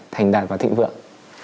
thành đạt và thịnh vượng